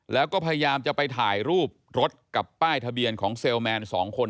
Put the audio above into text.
แล้วก็พยายามจะไปถ่ายรูปรถกับป้ายทะเบียนของเซลแมน๒คน